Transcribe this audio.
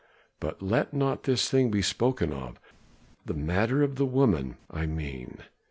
But let not this thing be spoken of the matter of the woman, I mean.